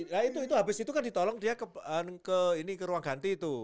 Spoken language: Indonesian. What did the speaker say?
nah itu habis itu kan ditolong dia ke ruang ganti itu